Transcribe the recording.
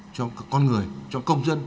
cho con người cho công dân